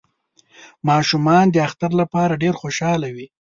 ماشومان د اختر لپاره ډیر خوشحاله وی